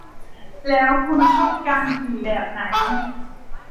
แล้วคุณชอบการขี่แบบไหน